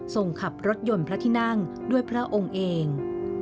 ส่งขับรถยนต์พระที่นั่งด้วยพระองค์เอง